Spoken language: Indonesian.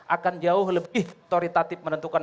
akan jauh lebihitoritatif menentukan